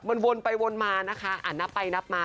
มันวนไปวนมานะคะอ่านนับไปนับมา